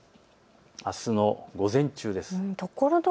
あすの午前中です。